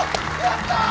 やったー！